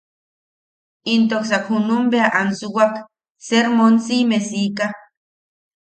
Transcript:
Intoksan junum bea ansuwak sermon si’ime siika.